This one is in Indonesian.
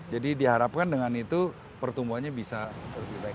jadi diharapkan dengan itu pertumbuhannya bisa lebih baik